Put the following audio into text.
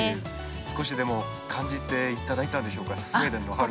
少しでも感じて頂いたでしょうかスウェーデンの春風。